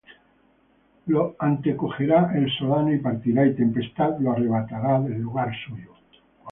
Lo antecogerá el solano, y partirá; Y tempestad lo arrebatará del lugar suyo.